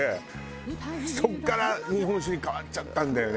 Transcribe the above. そこから日本酒に変わっちゃったんだよね。